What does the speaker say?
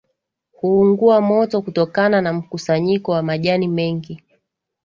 Huungua moto kutokana na mkusanyiko wa majani mengi